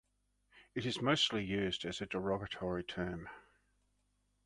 It is mostly used as a derogatory term.